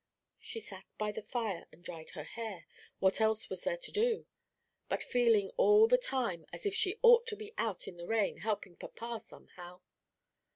She sat by the fire and dried her hair what else was there to do? but feeling all the time as if she ought to be out in the rain helping papa somehow.